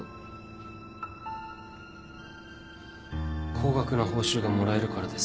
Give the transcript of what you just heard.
高額な報酬がもらえるからです。